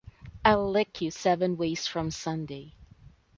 I'll lick you seven ways from Sunday.